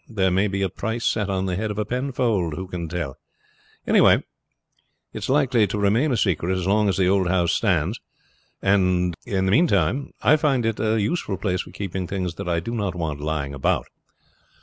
There may be a price set on the head of a Penfold, who can tell? Anyhow it is likely to remain a secret as long as the old house stands; and in the meantime I find it a useful place for keeping things that I do not want lying about.'